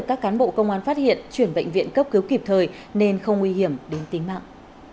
các cán bộ công an phát hiện chuyển bệnh viện cấp cứu kịp thời nên không nguy hiểm đến tính mạng